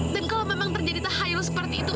dan kalau memang terjadi tahayul seperti itu